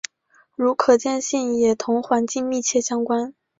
如可见性也同环境密切相关。